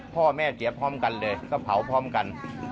พ่อแม่เสียพร้อมกันเลยก็เผาพร้อมกัน